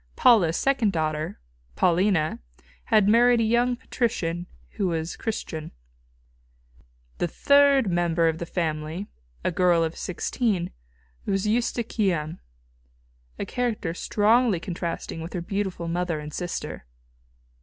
Paula's second daughter, Paulina, had married a young patrician who was Christian. The third member of the family, a girl of sixteen, was Eustochium, a character strongly contrasting with her beautiful mother and sister.